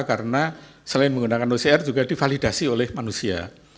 karena dia menggunakan sistemnya selain menggunakan ocr juga divalidasi oleh manusia